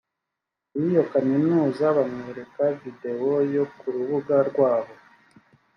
w iyo kaminuza bamwereka videwo yo ku rubuga rwabo